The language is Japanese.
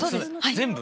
全部？